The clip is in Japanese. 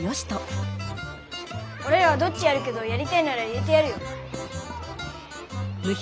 おれらドッジやるけどやりたいなら入れてやるよ。